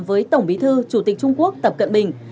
với tổng bí thư chủ tịch trung quốc tập cận bình